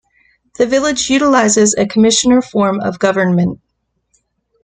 The village utilizes a commissioner form of government.